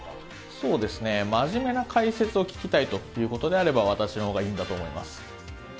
そうですね、真面目な解説を聞きたいということであれば、私のほうがいいんだと思います。